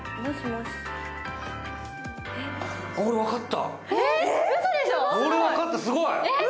俺分かった、すごい！